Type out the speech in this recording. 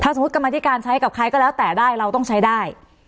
สมมุติกรรมธิการใช้กับใครก็แล้วแต่ได้เราต้องใช้ได้